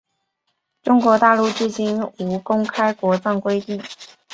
中国大陆至今无公开国葬规定。